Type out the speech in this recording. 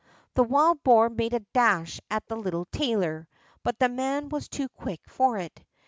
The wild boar made a dash at the little tailor, but the man was too quick for it.